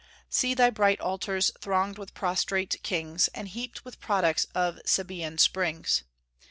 See thy bright altars thronged with prostrate kings, And heaped with products of Sabaean springs!